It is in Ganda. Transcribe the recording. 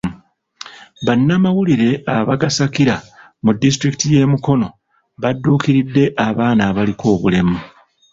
Bannamawulire abagasakira mu disitulikiti y'e Mukono badduukiridde abaana abaliko obulemu.